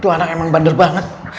itu anak emang bander banget